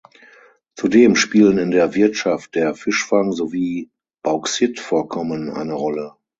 Zudem spielen in der Wirtschaft der Fischfang sowie Bauxitvorkommen eine Rolle.